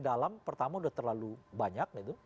dalam pertama udah terlalu banyak